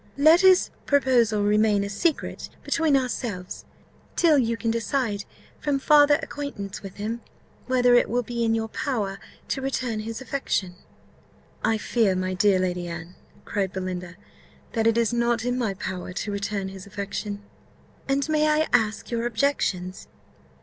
let his proposal remain a secret between ourselves, till you can decide, from farther acquaintance with him, whether it will be in your power to return his affection." "I fear, my dear Lady Anne," cried Belinda, "that it is not in my power to return his affection." "And may I ask your objections?"